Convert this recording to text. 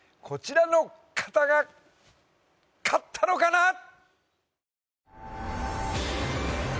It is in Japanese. こちらの方が勝ったのかな！？